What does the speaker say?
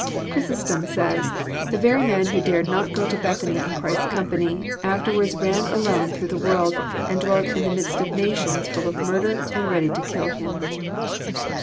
Chrysostom says, *' The very man who dared not go to Bethany in Christ's company, afterwards ran alone through the world, and dwelt in the midst of nations fUU of murder and ready to kill him."